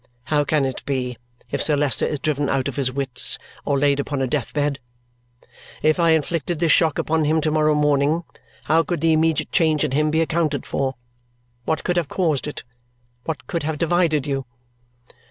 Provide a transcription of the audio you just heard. How can it be, if Sir Leicester is driven out of his wits or laid upon a death bed? If I inflicted this shock upon him to morrow morning, how could the immediate change in him be accounted for? What could have caused it? What could have divided you?